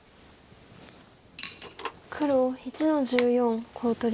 黒１の十四コウ取り。